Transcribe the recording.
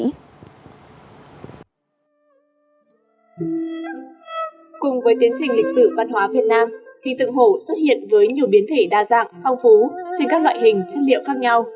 cùng với tiến trình lịch sử văn hóa việt nam hình tượng hồ xuất hiện với nhiều biến thể đa dạng phong phú trên các loại hình chất liệu khác nhau